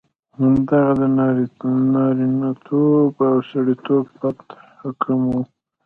همدغه د نارینتوب او سړیتوب پت حکم وو.